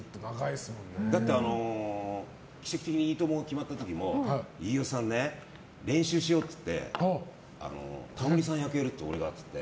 だって、奇跡的に「いいとも！」が決まった時も飯尾さんね、練習しようってタモリさん役やるって、ウドが。